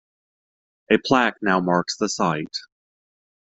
A plaque now marks the site.